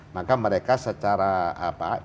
maka mereka secara apa